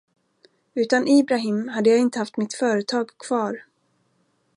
Utan Ibrahim hade jag inte haft mitt företag kvar.